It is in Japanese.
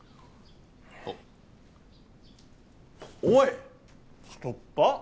おい！